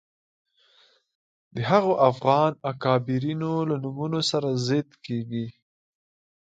د هغو افغان اکابرینو له نومونو سره ضد کېږي